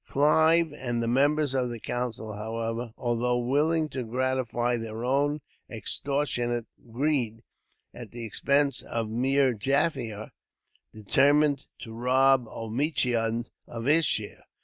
Clive, and the members of the council, however, although willing to gratify their own extortionate greed, at the expense of Meer Jaffier, determined to rob Omichund of his share.